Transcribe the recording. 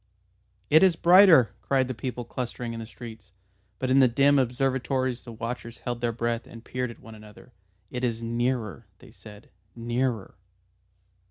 "It is brighter!" cried the people clustering in the streets. But in the dim observatories the watchers held their breath and peered at one another. "It is nearer," they said. "_Nearer!